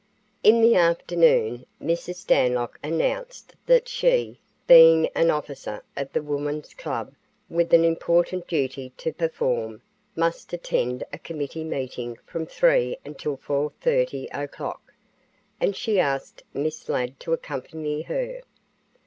In the afternoon Mrs. Stanlock announced that she, being an officer of the woman's club with an important duty to perform, must attend a committee meeting from 3 until 4:30 o'clock, and she asked Miss Ladd to accompany her.